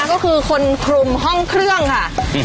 ก็คือคนคลุมห้องเครื่องค่ะ